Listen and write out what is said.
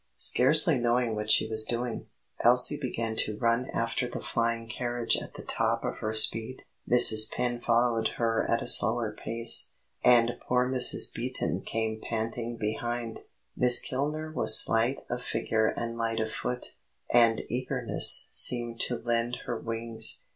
Scarcely knowing what she was doing, Elsie began to run after the flying carriage at the top of her speed; Mrs. Penn followed her at a slower pace, and poor Mrs. Beaton came panting behind. Miss Kilner was slight of figure and light of foot, and eagerness seemed to lend her wings.